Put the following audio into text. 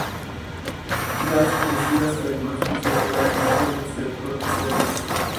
Las crecidas, además de irregulares suelen ser torrenciales.